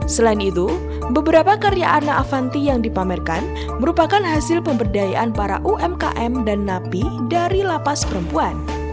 selain itu beberapa karya ana avanti yang dipamerkan merupakan hasil pemberdayaan para umkm dan napi dari lapas perempuan